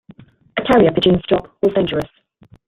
A carrier pigeon's job was dangerous.